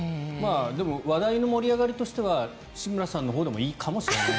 でも話題の盛り上がりとしては志村さんのほうでもいいかもしれない。